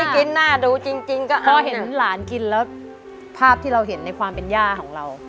กินน่าดูจริงก็พอเห็นหลานกินแล้วภาพที่เราเห็นในความเป็นย่าของเรา